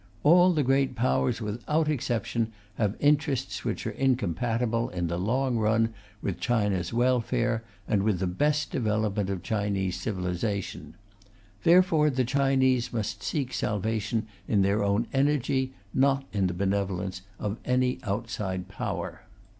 All the Great Powers, without exception, have interests which are incompatible, in the long run, with China's welfare and with the best development of Chinese civilization. Therefore the Chinese must seek salvation in their own energy, not in the benevolence of any outside Power.